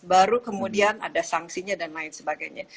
baru kemudian ada sanksinya dan lain sebagainya